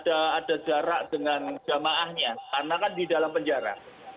ada jarak dengan jamaahnya karena kan di dalam penjara